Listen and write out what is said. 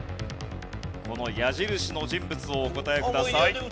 この矢印の人物をお答えください。